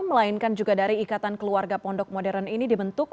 melainkan juga dari ikatan keluarga pondok modern ini dibentuk